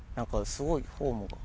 すごいフォームが。